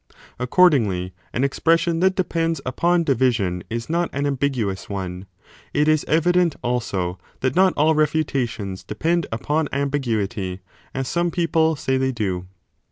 Accordingly an expression that depends upon division is not an ambiguous one. It is evident also that not all refutations depend upon ambiguity as some people say they do.